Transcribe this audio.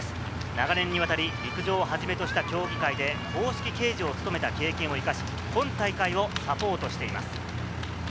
長年にわたり、陸上をはじめとした競技会で公式計時を務めた経験を生かし、本大会をサポートしています。